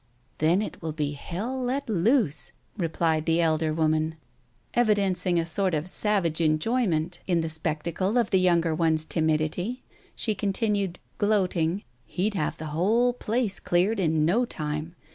"Then it will be Hell let loose," replied the elder woman, evidencing a sort of savage enjoyment in the Digitized by Google THE TIGER SKIN ^51 spectacle of the younger one's timidity. She continued, gloating, "He'd have the whole place cleared in no time.